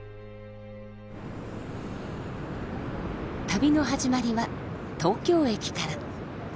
旅の始まりは東京駅から。